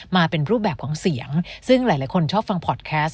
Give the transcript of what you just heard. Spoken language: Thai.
มาเป็นรูปแบบของเสียงซึ่งหลายคนชอบฟังพอร์ตแคสต